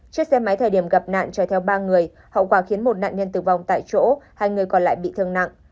chiếc xe máy thời điểm gặp nạn chở theo ba người hậu quả khiến một nạn nhân tử vong tại chỗ hai người còn lại bị thương nặng